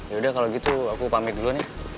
yaudah kalau gitu aku pamit dulu nih